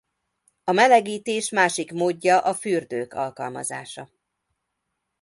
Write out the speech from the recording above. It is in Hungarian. A melegítés másik módja a fürdők alkalmazása.